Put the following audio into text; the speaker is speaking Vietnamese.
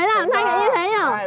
bây giờ mày thích lấy phường không